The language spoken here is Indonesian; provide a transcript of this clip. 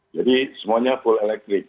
jadi semuanya full elektrik